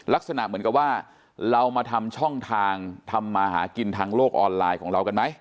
ลักษณะเหมือนกับว่าเรามาทำช่องทางทำมาหากินทางโลกออนไลน์ของเรากันไหม